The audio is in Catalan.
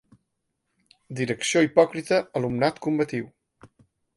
Direcció hipòcrita, alumnat combatiu.